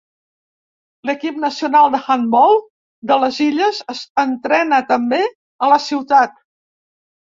L'equip nacional d'handbol de les illes entrena també a la ciutat.